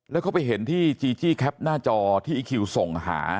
แล้วเขาไปเห็นที่จีจี้แคปหน้าจอที่อีคิวส่งหา